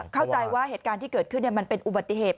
เข้าใจว่าเหตุการณ์ที่เกิดขึ้นมันเป็นอุบัติเหตุ